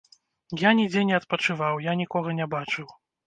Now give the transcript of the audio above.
Я нідзе не адпачываў, я нікога не бачыў.